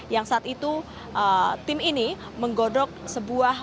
yang saat itu tim ini menggodok sebuah